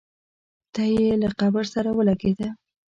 تی یې له قبر سره ولګېدی.